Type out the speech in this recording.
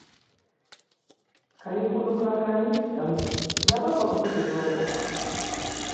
Калі буду праграмістам, заробак будзе добры.